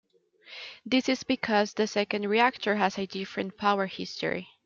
This is because the second reactor has a different power history.